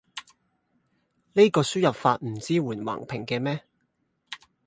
呢個輸入法唔支援橫屏嘅咩？